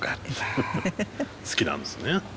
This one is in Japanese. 好きなんですね。